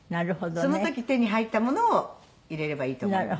その時手に入ったものを入れればいいと思います。